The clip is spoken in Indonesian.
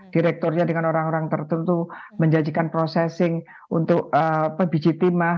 direkturnya dengan orang orang tertentu menjanjikan processing untuk pebiji timah